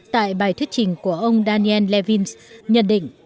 tại bài thuyết trình của ông daniel levins nhận định